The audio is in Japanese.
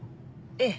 ええ。